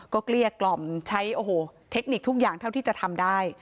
เกลี้ยกล่อมใช้โอ้โหเทคนิคทุกอย่างเท่าที่จะทำได้